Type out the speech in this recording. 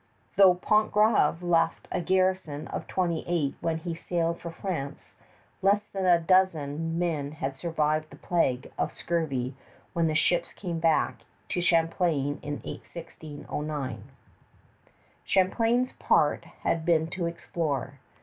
Though Pontgravé left a garrison of twenty eight when he sailed for France, less than a dozen men had survived the plague of scurvy when the ships came back to Champlain in 1609. Champlain's part had been to explore.